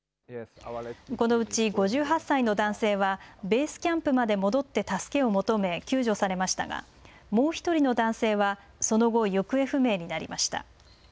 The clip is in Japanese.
このうち５８歳の男性はベースキャンプまで戻って助けを求め、救助されましたがもう１人の男性はその後、行方不明になりました。